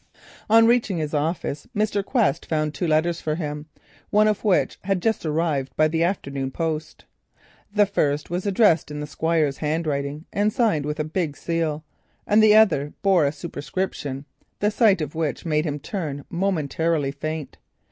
On reaching his office, Mr. Quest found two letters for him, one of which had just arrived by the afternoon post. The first was addressed in the Squire's handwriting and signed with his big seal, and the other bore a superscription, the sight of which made him turn momentarily faint.